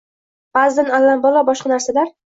Baʼzidan allambalo boshqa narsalar.